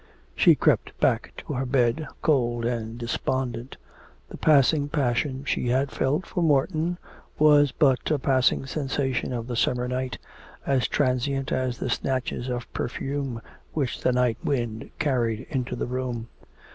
She crept back to her bed, cold and despondent. The passing passion she had felt for Morton was but a passing sensation of the summer night, as transient as the snatches of perfume which the night wind carried into the room.